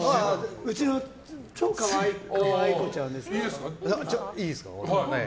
うちの超可愛い子ちゃんです。